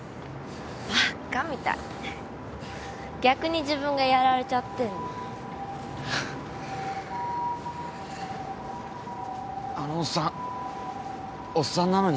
逆に自分がやられちゃってんの。